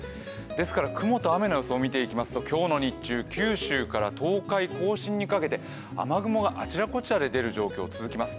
ですから雲と雨の様子を見ていきますと、今日の日中、九州から東海甲信にかけて雨雲があちらこちらで出る状況が続きます。